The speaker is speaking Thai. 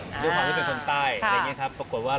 ด้วยความเป็นคนใต้อะไรอย่างเงี้ยครับ